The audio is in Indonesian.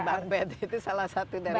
bang bed itu salah satu dari mas